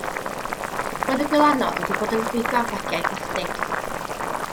Roedd y gwylanod wedi bod yn rhwygo'r bagiau plastig.